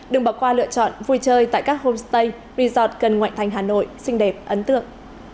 đừng bỏ qua lựa chọn vui chơi tại các homestay resort cần ngoại thành hà nội xinh đẹp ấn tượng